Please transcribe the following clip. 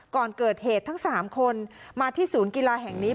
ก่อนเกิดเหตุทั้ง๓คนมาที่ศูนย์กีฬาแห่งนี้